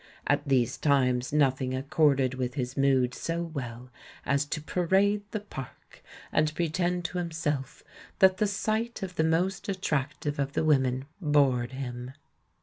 At these times nothing accorded with his mood so well as to pa rade the Park and pretend to himself that the sight of the most attractive of the women bored him.